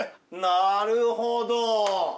なるほど。